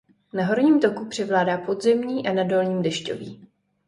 Na horním toku převládá podzemní a na dolním dešťový.